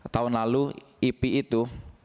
tahun lalu ipi itu